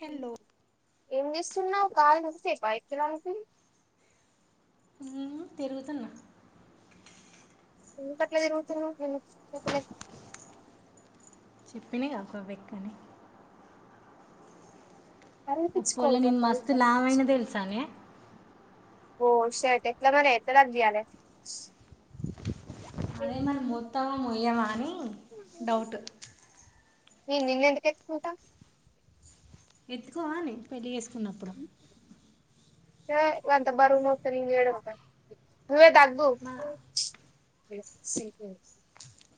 Hello ఎం చెస్ సున్నావ్ కాలసే బయటికిరానీకి హ్మ్ తిరుగుతున్న ఎందుకు అట్లా తిరుగుతున్నావ్ చెప్పినాగ కొవ్వెక్కి అని ఉప్పొల్ల కరిపించుకోవలి రా నేను భాయ్ మస్తు లావైన కరిపించుకో తెలుసానే ఓ సేట్ ఎట్లా మరి ఎట్ల తగియలే అదే మనం మొత్తమ మయ్యమా అని డౌట్ నిన్ను ఎందుకు ఎత్తుకుంటా ఎత్తుకోవలి పెళ్ళి చేసుకున్నప్పుడు ఏ ఎంత బరువు మోస్తావ్ నేను చేయడం వాళ్ళ నువ్వే తగ్గు మా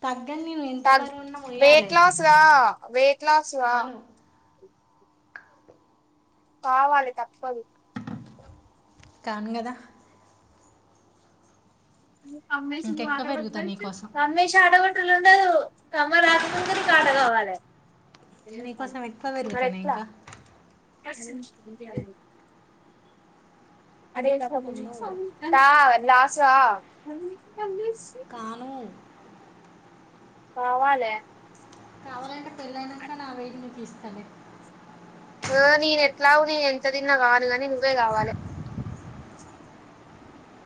తగ్గని నేను ఎంత బరువున్నా మొయ్యాలే వెయిట్ లాస్ గా వెయిట్ లాస్ గా కాను కావాలి తప్పదు కాను కదా అమ్మేష ఇంకెక్కువ పెరుగుతా నీకోసం ఆడ రులు కమ్మ రాత్రందరి కాడ కావాలి నీకోసం ఎక్కువ మరి పెరుగుతానే ఎట్లా ఇంకా అన్నో [unintelligible] కాను కావాలే కావాలంటే పెళ్ళయినాక నా వెయిట్ నీకు ఇస్తా లే నేన ఎట్లా నేను ఎంత తిన్నా కాను గాని నువ్వే కావాలి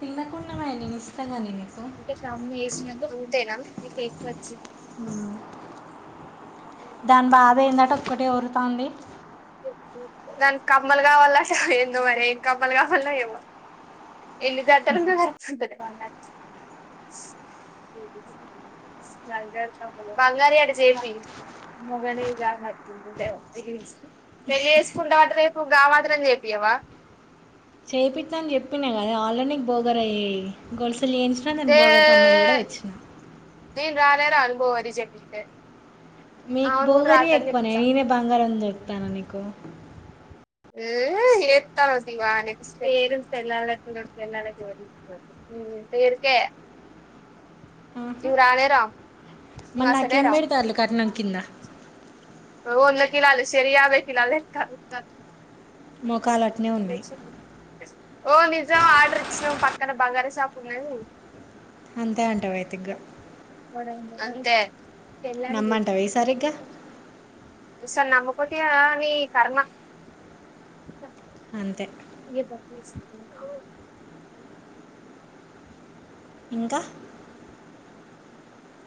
తినకుండా నేను ఇస్తాంగా నను ఒకకే ఫ్యామిలీ చేసినా రూటేనా బ్రేక్ ఫాస్ట్ [inaudible] దాని బాధ ఏందట ఒక్కటే ఊరుతంది న కమ్మలు కావల్లట ఎందో మరి ఇం కమ్మలు కావల్ల ఏమో ఎన్ని జాతరంద బంగారం [inaudible] న బంగారంట చేయిపి మగనే జాగంది ముందేసి [inaudible] పెళ్ళి వేసుకుంటావాట రేపు గా మాత్రని చేపియవా చేయిట్టా అని చెప్పినా కదా ఆల్రనీక్ బోగర్ అయ్యి గోల్స్ చెంచిన నేను దే బగారి కమ్మలు కూడా తెచ్చిన నేను రాని రాను [inaudible] మీకు అవును కూడా భోగరియ రాకని ఎక్కువనే చెప్తా నేనే బంగారం దొరుకుతాను నీకు ఏ ఏస్తానంటివా నెక్స్ట పేర్లు పెళ్లాలు ఓ చిరు పెళ్ళాలొచ్చిరు [inaudible] [unintelligible] పేరుకే ఆహా. ఇవి రానే రామ్ మరి నాకేం పెడతారులు కట్ణం కింద వంద కిలోలు సరి యాభై కిలోలు ఇస్త [inaudible] మొకాల తె ఓ నిజం ఆర్డర్ ఇచ్చినాం పక్కన బంగారా షాప్ ఉన్నది అంతే అంటావా అయితే ఇగ అ అంతే పెళ్ళానికి నమ్మంటావ ఈసారీ ఇగ ఈ సారి నమ్మకపోతే నీ కర్మ అంతే ని సిత్ వు ఇంకా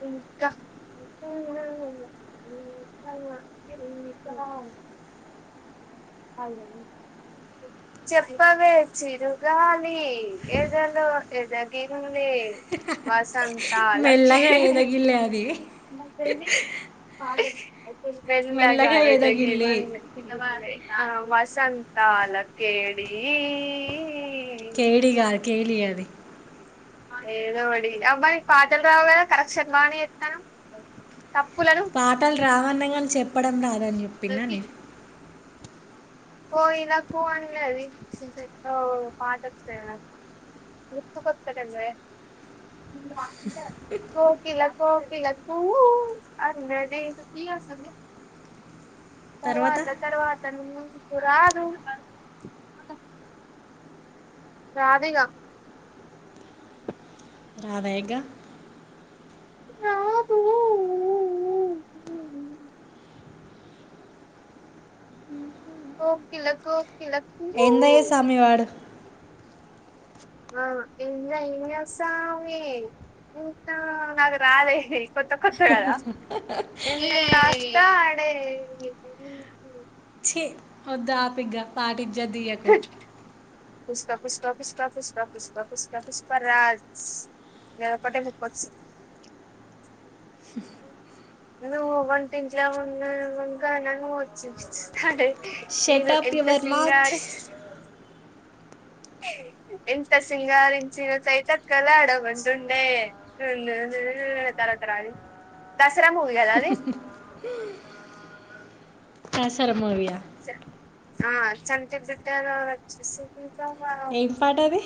ఇంకా [inaudible] చెప్పవే చిరుగాలి ఎదలో ఎదగిలి వసంతాల మెల్లగా కేలి ఎదగిల్లే అది మెల్లగా కుష్మేజగాతే గీ ఎదగిల్లి చిన్న మా ఆ వసంతాల కేడీయి కేడీ కాదు కేలీ ఆది ఏదో వాడి అబ్బా నీకు పాటలు రావుకదా కరెక్షన్ బానే ఎత్తనవు పాఠాలు రావన్న కాని చెప్పడం రాదని చెప్పినా నే ఓ ఇలాకు అని అది పాఠ వచ్చిన [inaudible] గుతుకోతలేవే కోకిలా కోకిలా కు అనది తర్వాత తర్వాత ము రాదు రాదు ఇగ రాదా ఇగ రాదు కోకిల కోకిల కు ఏందయ్య స్వామివాడు ఆ ఏం చేస్తానవే ఇంకా నాకు రాదే కొత్త కొత్త కదా అడే ఓధు ఏపీగా పాట ఇజ్జద్ తీయక పుష్ప పూష పుష్ప పుష్ప పుష్ప పుష్ప పుష్పరాజ్ గది ఒకటేముఖ ఓచు నువ్ వన్ తింట్లా ఉన్న వంగా న వచ్చచ్చా షట్ నేను అప్ అంత యువర్ మౌత్ సింగారి ఎంత సింగార ఇం చినస అయితత్ కలాడ వంద ఉండె ఉ తరతరా అది దసరా మూవిగాద అది దసరా మూవీగా ఆ చంత బట్ట వచ్చేసి ఏం పాటది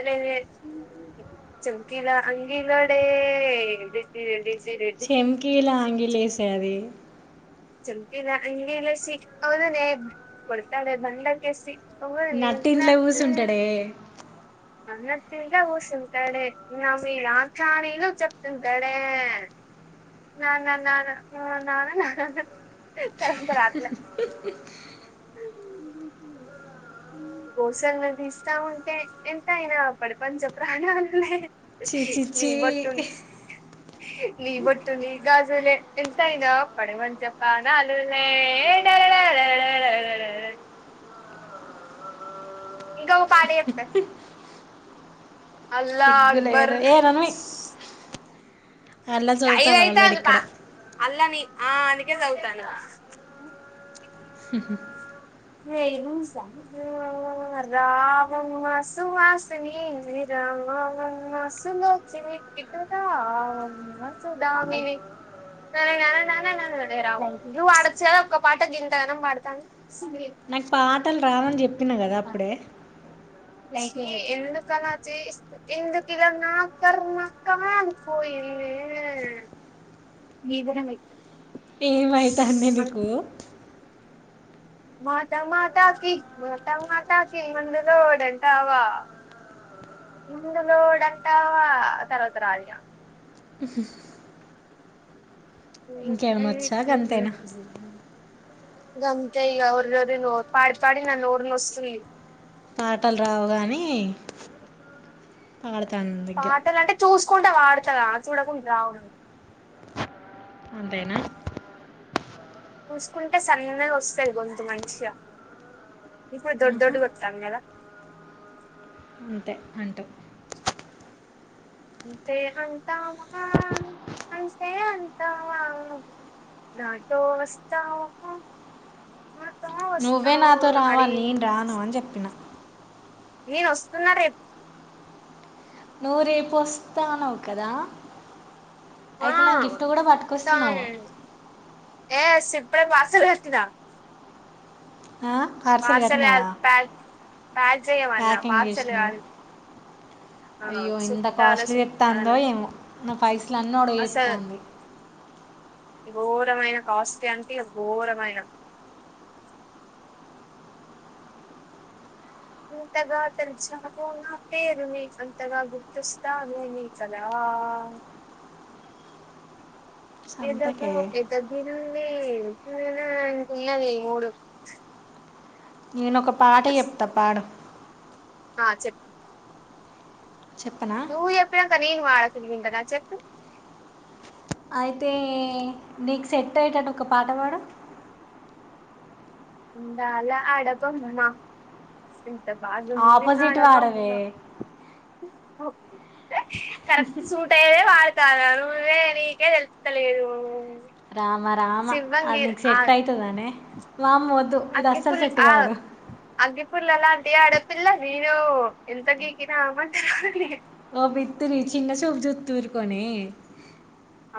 అ చంకిలా అంగీలోడే చెంకిీలా ఆంగిలేసే అది చెంకిల అంగలేసి ఓ వదినే కొడతాడే బండకేసి ఓ ఒడిని నట్టింట్లో కూసుంటాడే [unintelligible] అన్న తింటే ఊషంది కడే నా మీ రా చాడీలు చెప్తుంది టేడ్ నానా నా నా తరువాత రాతలే గోసల్ నది ఇస్తా ఉంటే ఎంతాయనా ప్రపంచ ప్రాణలు లే చి చి మీ చి బట్ట నీ ఒట్టు నీ గగాజులే ఎంతా అయిన ఒప్పడ మంచప్ప నాలులే డ డ [unintelligible] ఇంకా ఒకా పటా చెప్తా అల్లా అక్బర్ సిగ్గులేదు ఏ రణవి అలా ఐద చదువుతాను అయిత వాళ్ళడు అదు ఇక్కడ అల్లని అందుకే సాధువుతన్న హామ్ నస రావం సువాసిని రావమ్మా సులోచిని ఎటు రావమ్మా సుదాముని నన్నన్న నాన్నన్న రా నువ్ అడచద ఒక్క పాట గింతగానం పాడుతాను సుీ నాకు పాటలు రావని చెప్పిన కదా అప్పుడే ఎందుకన్నా ఎందుకులా నా కర్మకా కాలిపోయింది ఏ నిదనం వైతు ఏమైతంది నీకు మాట మాటకి మాట మాటకి మందులోడుడంతవ ఇందులో డంతా తర్వాతరాల ఇంకేమనా వచ్చాకంతేనా గమంత ఈ అర్వ న పాడి పాడి న నోర్ న వస్తలి పాటలు రావుగాని పాడతానుందిగ్గా చూసుకుంటే వాడతార చూడకుండా రావడం అంతేనా చూసుకుంటే సన్నగాగా వస్తాయి గొంతు మంచిగా ఇ కూడాడు దొ మ్హూ. దొడ్డు వతా అలా అంతే అంటా అంతే అంతమా అంతే అంతమా నాథో వాస్తవ త నువ్వే నాతో [unintelligible] అడి రావాలి నేను రాను అని చెప్పిన నేను వస్తున్నారే నూరే పస్తతానవు కదా ఆ అయితే నా గిఫ్ట్ కూడా పట్టుకొస్తున్నావు ఏ సిప్పుడ [unintelligible] పార్సల్ పక్ పక్ చేయమన్నా ప్యాకింగ్ పార్సల్ చేసినావా ఆ అయ్యో ఎంత చుట్టాల కాస్ట్లీ చుట్టాల చెప్తాందో ఏమో నా పైసలు అన్ అసలు ఒడిగేతంది ఘోరమైన కాస్ట్ అంటే ఘోరమైన అంతగా తెలు చాపో నా పేరు మీ అంతగా గుప్తస్తాను మీ కద ఆ ఏదగు సంతకే ఎదగిన లే యిన్న ఇన్నవే ఈ మూడు నేను ఒక పాట చెప్తా పాడు ఆ చెప్ చెప్పనా నువ్వు చెప్పినాక నేను పాడకుంటుంటన చెప్పు అయితే నీకు సెట్ అయేటట్టు ఒక పాట పాడు అందాల ఆడబొమ్మ ఎంత బాగుంది ఆపోజిట్ ఆడబొమ్మ వాడవే కరెక్ట్ సూట్ అయదే పాడతాన్న నువ్వే నీకే తెలుత్తలేదు రామ రామ అది నీకు సెట్ అయితదానే వామ్మో వద్దు ఇది అస్సలు సెట్టి కాదు అగ్గిపుర్ల లాంటి ఆడపిల్ల నేను ఎంత గీకిన మంట ఓ బిత్తిరి చిన్న చూప్ జుత్ ఊరుకనే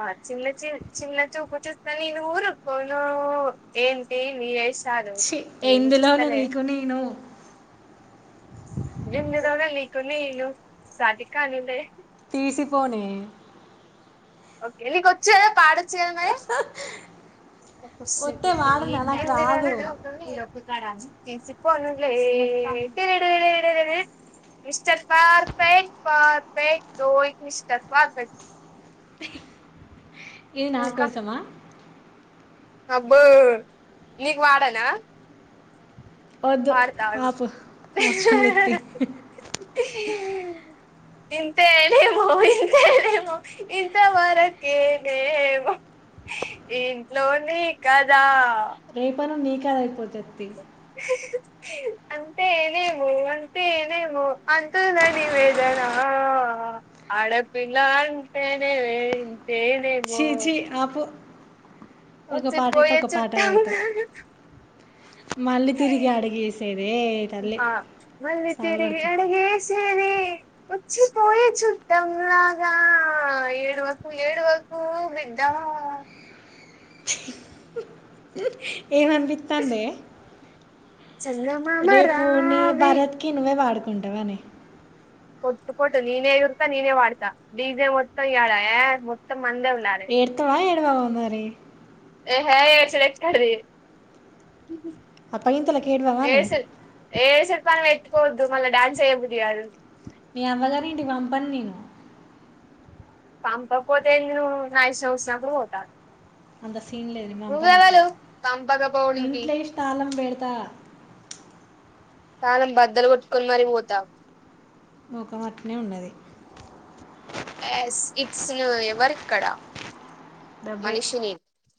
ఆ చిన్న చి చిన్న చూపు చూస్తే నేను ఊరుకును ఏంటి నీ ఏష్ ఛీ ఎందులోను నీకు నేను ఎందులోనూ నీకు నేను సాటికానులే తీసిపోనే ఓకే నీ కొచ్చు కదా పాడచ్చు కదా మరె కొద్దిసేపు వస్తే వాడనా నాకు రాదు [unintelligible] తీసిపోనులే టిరిటిరిటిరిటిరిటిరి మిస్టర్ పర్ఫెక్ట్ పర్ఫెక్ట్ డూయిక్ మిస్టర్ పర్ఫెక్ట్ ఇది నా ఇంకా కోసమా అబ్బో నీకు పాడనా వద్దు పాడతా ఆగు ఆపు అవసరం లేదు ఇంతేనెమో ఇంతేనేమో ఇంత వరకేనేమో ఇంట్లో నీ కదా రేపను నీకదే అయిపోతదితి అంతే ఏనేమో అంతే ఏనేమో అంటున్న నివేదనా ఆడపిల్ల అంటనే ఇంతేనేవో ఛీ ఛీ ఆపు ఒక వచ్చి పాట అయితే పోయే ఒక పాట పాడతా చుట్టంలాగా మళ్ళీ తిరిగి అడిగేసేదే తల్లి ఆ మళ్ళీ తీరిగి సావగొడతా అడిగేసి సిరి వచ్చిపోయే చుట్టం లాగా ఏడువకు ఏడువకు బిడ్డ ఆ ఏవన్ పిత్తాందే చందమామ రేపు నీ రావే భరత్ కి నువే పాడుకుంటావ నే కొట్ కొట్ నేనే ఎగురుతా నేనే పాడతా డీజె మొత్తం ఎడా ఏ మొత్త మందే ఉండాలే టావ్ మరి ఎహె ఎచలెక్కడ ది అప్పగింతలకి ఏడ్వవానే రం ఎట్టుకోవద్దు మళ్ళీ డ్యాన్స్ ఏయబుద్ధి కాదు మీ అమ్మగారింటికి పంపను నేను పాంపకు పోతే ను నా ఇష్టం వచ్చినప్పుడు పోత అంత సీన్ లేదు పంపన అట్లా పంపకపోవడానికి ఇంట్లేసి తాళం పెడతా తనం బద్దలు కొట్టుకొని మరి పోతా మొఖం అట్లనే ఉన్నది ఎస్ ఇట్స్ ఎవరు ఇక్కడ డబ్బే మనిషిని